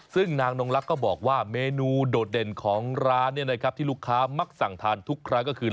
ซึ่งนางนงลักษณ์ก็บอกว่าเมนูโดดเด่นของร้านที่ลูกค้ามักสั่งทานทุกครั้งก็คือ